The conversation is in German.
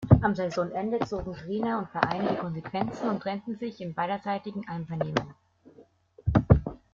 Am Saisonende zogen Trainer und Verein die Konsequenzen und trennten sich im beiderseitigen Einvernehmen.